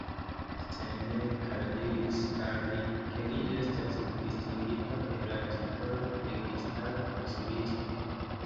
Steiner kaj diris al li, ke li estas distingita per la titolo "registara konsilisto".